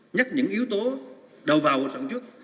nhắc những yếu tố đầu vào của sản xuất